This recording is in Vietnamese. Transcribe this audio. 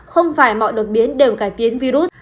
không phải mọi đột biến đều cải tiến virus